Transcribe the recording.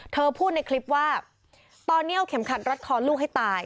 เธอพูดในคลิปว่าตอนนี้เอาเข็มขัดรัดคอลูกให้ตาย